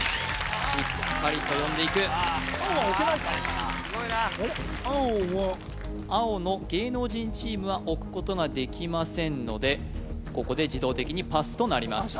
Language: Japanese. しっかりと読んでいく青は置けないか・すごいな青は青の芸能人チームは置くことができませんのでここで自動的にパスとなります